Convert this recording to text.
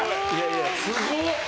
すごっ！